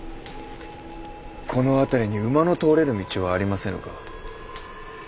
この辺りに馬の通れる道はありませぬか。